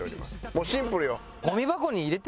もうシンプルよ。